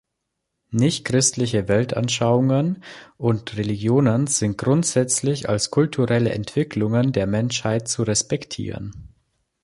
Nichtchristliche Weltanschauungen und Religionen sind grundsätzlich als kulturelle Entwicklungen der Menschheit zu respektieren.